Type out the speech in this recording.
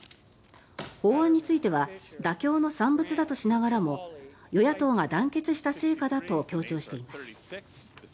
法案については妥協の産物だとしながらも与野党が団結した成果だと強調しています。